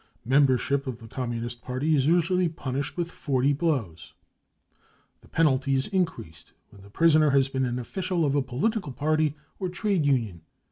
Membership of the Communist Party is usually punished with forty blows. T ® Pg a J " increased .when the prisoner has been an official oi a political party or trade union.